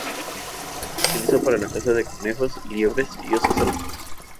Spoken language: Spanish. Se utiliza para la caza de conejos, liebres y osos salvajes.